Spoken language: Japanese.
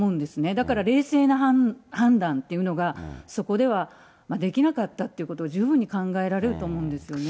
だから冷静な判断っていうのが、そこではできなかったっていうことが十分に考えられると思うんですよね。